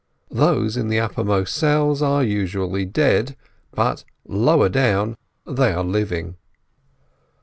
Those in the uppermost cells are usually dead, but lower down they are living.